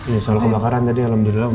ya soal kebakaran tadi alhamdulillah